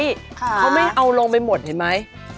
เขาไม่เอาลงไปหมดเห็นไหม